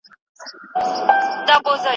سپي د شپې لخوا د کلي د امنیت لپاره ویښ پاتې کېږي.